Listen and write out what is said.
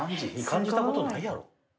感じたことないやろ。